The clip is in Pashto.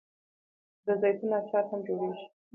د زیتون اچار هم جوړیږي.